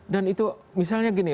dan itu misalnya gini